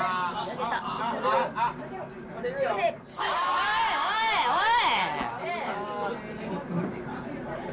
おいおいおい！